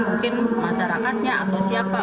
mungkin masyarakatnya atau siapa